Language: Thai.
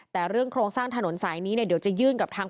แต่เรื่องโครงสร้างถนนสายนี้เนี่ยเดี๋ยวจะยื่นกับทาง